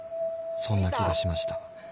［そんな気がしました］